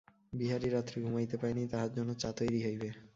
বিহারী রাত্রে ঘুমাইতে পায় নাই, তাহার জন্য চা তৈরি হইবে।